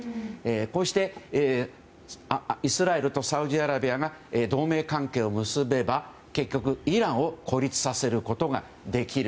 こうしてイスラエルとサウジアラビアが同盟関係を結べば、結局イランを孤立させることができる。